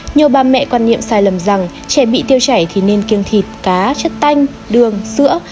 nhiều bà mẹ quan niệm sai lầm rằng trẻ bị tiêu chảy thì nên kiêng thịt cá chất tanh đường sữa